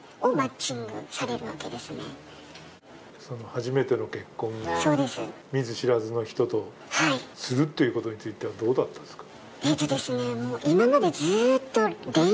初めての結婚を見ず知らずの人とするということはどうだったんですか？